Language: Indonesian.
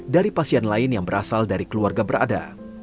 dari pasien lain yang berasal dari keluarga berada